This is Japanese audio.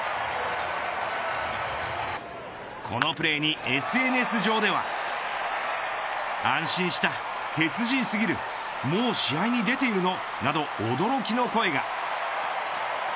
このプレーにＳＮＳ上では安心した、鉄人すぎるもう試合に出ているの、など驚きの声が。